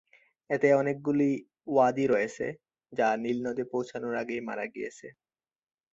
এতে অনেকগুলি ওয়াদি রয়েছে যা নীল নদে পৌঁছানোর আগেই মারা গিয়েছে।